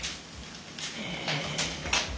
へえ。